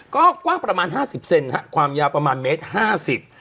ก็กว้างประมาณห้าสิบเซนฮะความยาวประมาณเมตรห้าสิบ